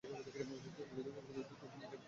তুমি কি চাও সে এখন মারা যাক?